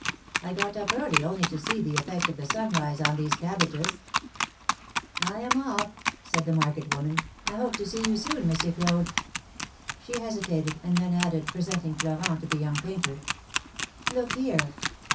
I got up early only to see the effect of the sunrise on these cabbages." am off!" said the market woman. hope to see you soon, Monsieur Claude." She hesitated, and then added, presenting Florent to the young painter : Look here